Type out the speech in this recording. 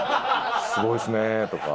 「すごいですね」とか。